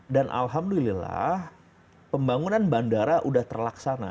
dan alhamdulillah pembangunan bandara udah terlaksana